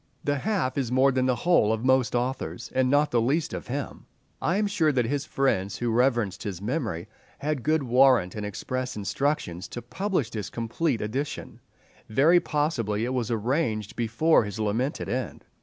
The half is more than the whole of most authors, and not the least of him. I am sure that his friends who reverenced his memory had good warrant and express instructions to publish this complete edition—very possibly it was arranged before his lamented end.